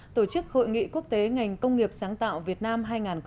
tổ chức hội nghị quốc tế ngành công nghiệp sáng tạo việt nam hai nghìn một mươi sáu